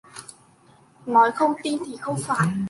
Nói không tin thì không phải